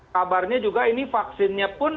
kabarnya juga ini vaksinnya pun